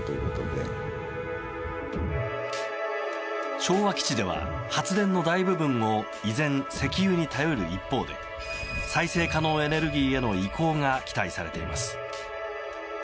昭和基地では発電の大部分を依然、石油に頼る一方で再生可能エネルギーへの移行が期待されています。